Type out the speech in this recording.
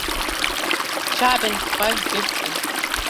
Çavên xwe girtin.